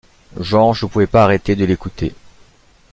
Genre je pouvais pas arrêter de l'écouter.